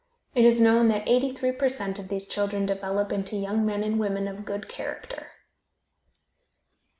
It is known that eighty three per cent of these children develope into young men and women of good character.